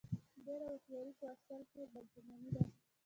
ډېره هوښیاري په اصل کې بد ګماني ده.